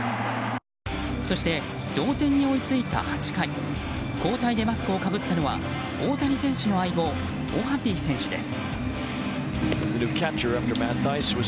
そして、同点に追いついた８回交代でマスクをかぶったのは大谷選手の相棒オハピー選手です。